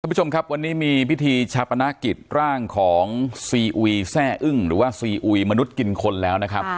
ผู้ชมครับวันนี้มีพิธีชาปนกิจร่างของซีอุยแซ่อึ้งหรือว่าซีอุยมนุษย์กินคนแล้วนะครับ